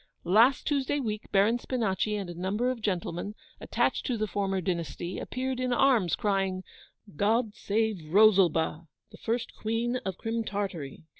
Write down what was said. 'Last Tuesday week Baron Spinachi and a number of gentlemen, attached to the former dynasty, appeared in arms, crying, "God save Rosalba, the first Queen of Crim Tartary!"